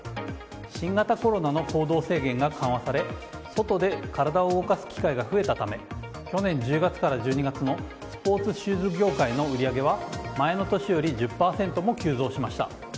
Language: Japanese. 新型コロナの行動制限が緩和され外で体を動かす機会が増えたため去年１０月から１２月のスポーツシューズ業界の売り上げは前の年より１０％も急増しました。